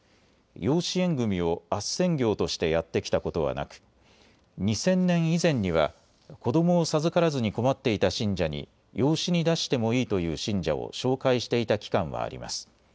養子縁組みをあっせん業としてやってきたことはなく２０００年以前には子どもを授からずに困っていた信者に養子に出してもいいという信者を紹介していた期間はあります。